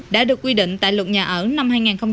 đã được quy định tại luật nhà ở năm hai nghìn một mươi bốn